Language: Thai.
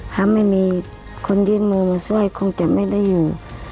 ถ้าไม่มีคนยื่นมือมาช่วยคงจะไม่ได้อยู่